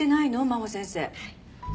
真帆先生。